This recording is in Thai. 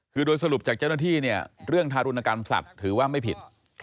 คือโดยสรุปจากเจ้าหน้าที่เนี่ยเรื่องทารุณกรรมสัตว์ถือว่าไม่ผิด